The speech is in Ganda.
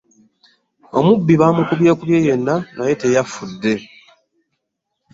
Omubbi bamukubyekubye yenna naye teyafudde